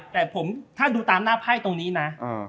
แต่ผมถ้าดูตามรูปหน้าไพ่นะ